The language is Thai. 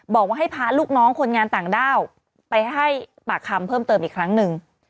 บอกว่าให้พาลูกน้องคนงานต่างด้าวไปให้ปากคำเพิ่มเติมอีกครั้งหนึ่ง